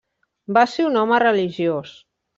Va ser un home religiós.